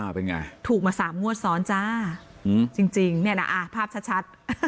เป็นไงถูกมาสามงวดซ้อนจ้าจริงจริงเนี่ยนะภาพชัด